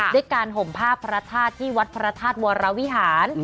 ด้วยการห่มผ้าพระธาตุที่วัดพระธาตุวรวิหาร